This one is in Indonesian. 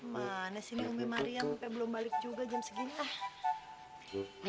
mana sini umi maria sampe belum balik juga jam segini